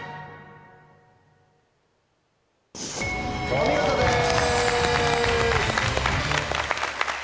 お見事です。